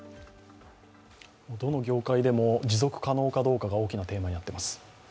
どの業界でも持続可能かどうかが大きなテーマになっています。